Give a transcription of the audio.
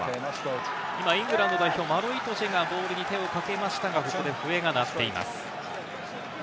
イングランド代表マロ・イトジェがボールに手をかけましたが、ここで笛が鳴っています。